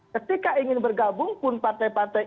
ketika ingin bergabung pun partai partai